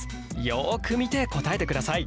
よく見て答えてください。